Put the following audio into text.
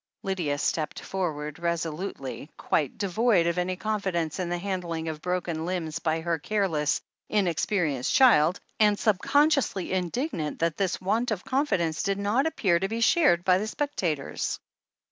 Lydia stepped forward resolutely, quite devoid of any confidence in the handling of broken limbs by her careless, inexperienced child, and subconsciously indig 1 THE HEEL OF ACHILLES 349 nant that this want of confidence did not appear to be shared by the spectators.